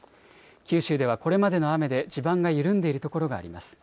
九州ではこれまでの雨で地盤が緩んでいるところがあります。